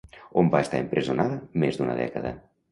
On va estar empresonada més d'una dècada?